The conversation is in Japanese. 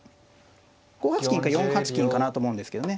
５八金か４八金かなと思うんですけどね。